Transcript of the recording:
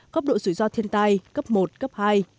cấp độ rủi ro thiên tai cấp một cấp hai